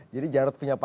jadi jarod punya partai